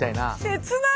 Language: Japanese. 切ない！